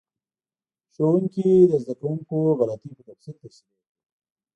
ښوونکي د زده کوونکو غلطۍ په تفصیل تشریح کړې.